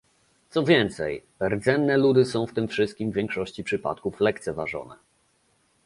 Co więcej, rdzenne ludy są w tym wszystkim w większości przypadków lekceważone